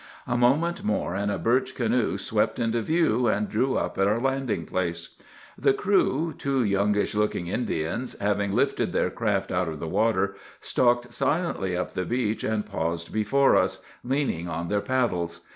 A moment more and a birch canoe swept into view, and drew up at our landing place. The crew, two youngish looking Indians, having lifted their craft out of the water, stalked silently up the beach and paused before us, leaning on their paddles.